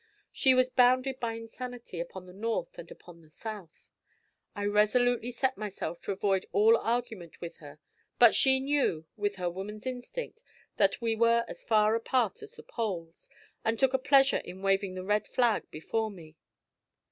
She was bounded by insanity upon the north and upon the south. I resolutely set myself to avoid all argument with her; but she knew, with her woman's instinct, that we were as far apart as the poles, and took a pleasure in waving the red flag before me.